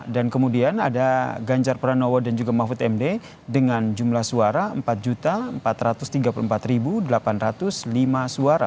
dan kemudian ada ganjar pranowo dan juga mahfud md dengan jumlah suara empat empat ratus tiga puluh empat delapan ratus lima suara